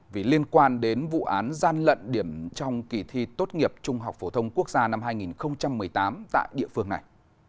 vì liên quan đến vụ án gian lận điểm trong kỳ thi tốt nghiệp trung học phổ thông quốc gia năm hai nghìn một mươi tám tại địa phương này